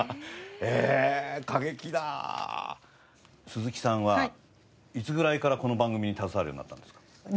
鈴木さんはいつぐらいからこの番組に携わるようになったんですか？